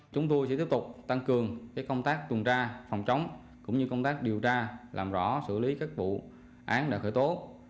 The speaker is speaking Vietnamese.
chúng tôi sẽ tiếp tục tăng cường công tác tuần tra phòng chống cũng như công tác điều tra làm rõ xử lý các vụ án đã khởi tố